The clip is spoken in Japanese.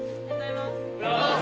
おはようございます。